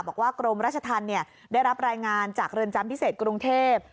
กรมราชธรรมได้รับรายงานจากเรือนจำพิเศษกรุงเทพ